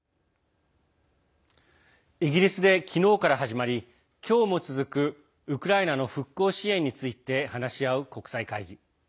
イギリスで昨日から始まり今日も続くウクライナの復興支援について話し合う国際会議。